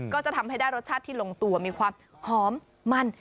ก็จะทำให้ได้รสชาติที่ลงตัวมีความหอมมัน